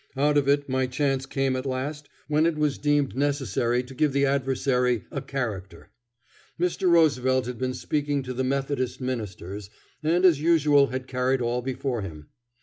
Out of it, my chance came at last when it was deemed necessary to give the adversary "a character." Mr. Roosevelt had been speaking to the Methodist ministers, and as usual had carried all before him.